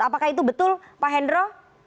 apakah itu betul pak hendro